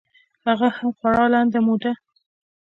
هغه هم خورا لنډه موده.